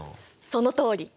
そのとおり！